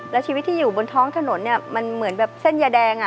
แล้วชีวิตที่อยู่บนท้องถนนเนี่ยมันเหมือนแบบเส้นยาแดง